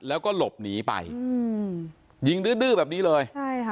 แล้วก็หลบหนีไปยิงดื้อแบบนี้เลย